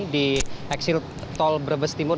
di eksil tol brebes timur